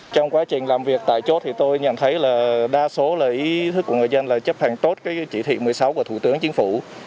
trong quá trình làm việc tại chốt thì tôi nhận thấy là đa số là ý thức của người dân là chấp hành tốt cái chỉ thị một mươi sáu của thủ tướng chính phủ